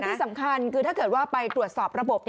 ที่สำคัญคือถ้าเกิดว่าไปตรวจสอบระบบ